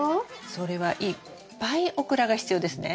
それはいっぱいオクラが必要ですね。